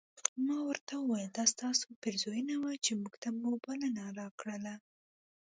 ما ورته وویل دا ستاسو پیرزوینه وه چې موږ ته مو بلنه راکړله.